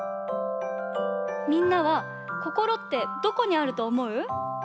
みんなはこころってどこにあるとおもう？